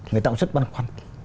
người ta cũng rất băn khoăn